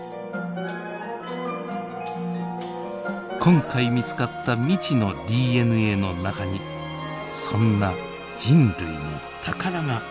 今回見つかった未知のＤＮＡの中にそんな人類の宝があるかもしれません。